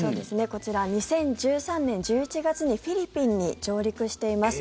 こちら２０１３年１１月にフィリピンに上陸しています。